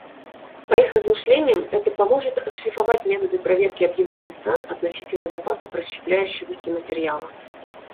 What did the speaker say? По их размышлениям, это поможет отшлифовать методы проверки объявлений стран относительно запасов расщепляющегося материала.